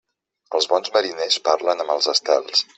Els bons mariners parlen amb els estels.